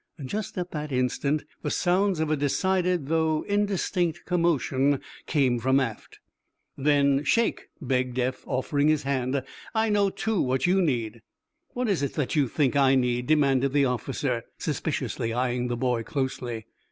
Just at that instant the sounds of a decided though indistinct commotion came from aft. "Then shake," begged Eph, offering his hand. "I know, too, what you need." "What is it that you think I need?" demanded the officer, suspiciously, eyeing the boy closely.